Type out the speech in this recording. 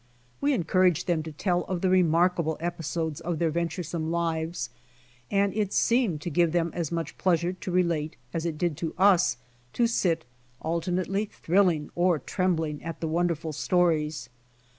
We encouraged them to tell of the remarkable episodes of their venturesome lives, and it seemed to give them as much pleasure to relate as it did us to sit alternately thrilling or trembling at the wonderful stories.